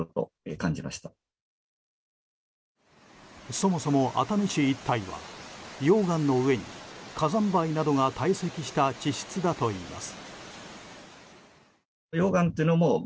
そもそも、熱海市一帯は溶岩の上に火山灰などが堆積した地質だといいます。